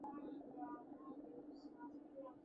ya Kaskazini katika miaka elfumoja miasaba sabini nantano